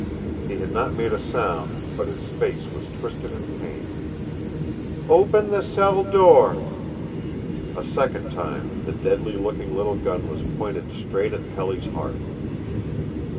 He had not made a sound, but his face was twisted in pain. "Open the cell door!" A second time the deadly looking little gun was pointed straight at Pelly's heart.